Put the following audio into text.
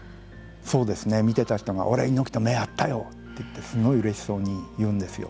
そうですね見てた人が俺猪木と目合ったよって言ってすごいうれしそうに言うんですよ。